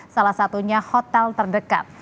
salah satunya hotel terdekat